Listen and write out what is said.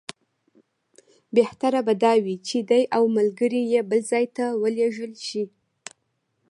بهتره به دا وي چې دی او ملګري یې بل ځای ته ولېږل شي.